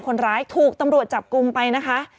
คนร้ายถูกตำรวจจับกลุ่มไปนะคะ